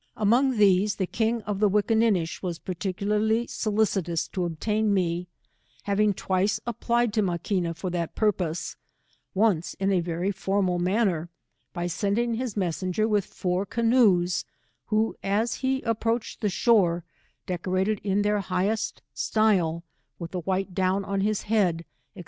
— Among these, the king of the Wickinninish was particularly solicitous to obtain mcj having twice applied to Maquina for that purpose, once in a very formal manner, by sending his messenger with four canoes, who as he approached the shore, decorated in their highest O % 152 sty^e, with the white down on his head, &c.